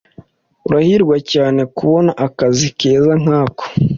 Urahirwa cyane kubona akazi keza nkako.